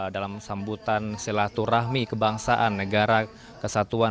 dalam sambutan silaturahmi kebangsaan negara kesatuan